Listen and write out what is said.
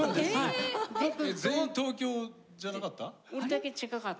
全員東京じゃなかった？